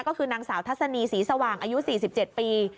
ก็คือนางสาวทัศนีสีสว่างอายุ๔๗ปี